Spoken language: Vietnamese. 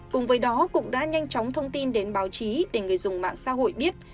cùng với đó cục đã nhanh chóng thông tin đến báo chí để người dùng mạng xã hội biết